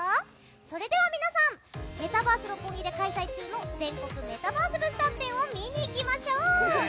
それでは皆さんメタバース六本木で開催中の全国メタバース物産展を見に行きましょう！